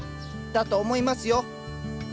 だと思いますよ。